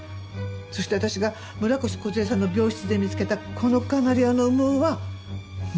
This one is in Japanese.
そして私が村越梢さんの病室で見つけたこのカナリアの羽毛は無覆。